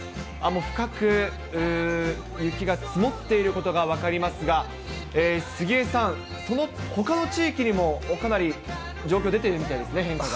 深く雪が積もっていることが分かりますが、杉江さん、ほかの地域にもかなり状況出ているみたいですね、変化が。